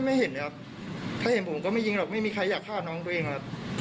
ไม่เห็นเลยครับถ้าเห็นผมก็ไม่ยิงหรอกไม่มีใครอยากฆ่าน้องตัวเองครับ